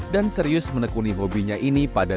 dan serius menekuni hobinya ini pada dua ribu dua puluh